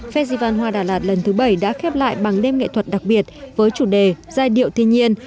phép di văn hoa đà lạt lần thứ bảy đã khép lại bằng đêm nghệ thuật đặc biệt với chủ đề giai điệu thiên nhiên